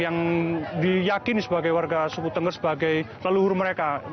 yang diyakini sebagai warga suku tengger sebagai leluhur mereka